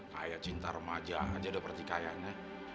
kayak cinta remaja aja ada pertikaiannya